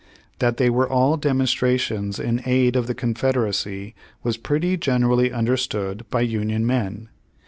That they were all demonstrations in aid of the Confederacy was pretty generally understood by Union men.